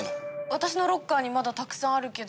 私のロッカーにまだたくさんあるけど。